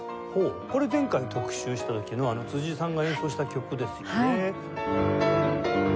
これ前回特集した時の辻井さんが演奏した曲ですよね。